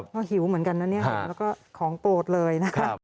ก็หิวเหมือนกันนั้นแล้วก็ของโปรดเลย